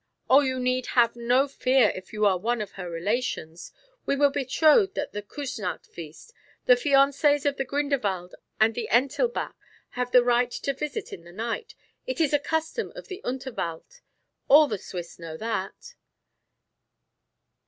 Oh, you need have no fear if you are one of her relations. We were betrothed at the Kusnacht feast. The fiancés of the Grinderwald and the Entilbach have the right to visit in the night. It is a custom of Unterwald. All the Swiss know that."